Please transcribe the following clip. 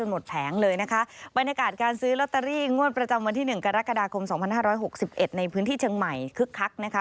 ในพื้นที่เชียงใหม่คึกคักนะคะ